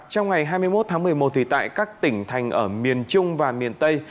trong ngày hai mươi một một mươi một tùy tại các tỉnh thành ở miền trung và miền tây